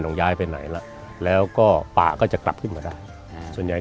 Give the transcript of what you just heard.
ย้ายไปไหนล่ะแล้วก็ป่าก็จะกลับขึ้นมาได้ส่วนใหญ่